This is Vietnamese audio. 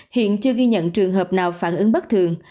hiện chưa ghi nhận trường hợp nào phản ứng bất thường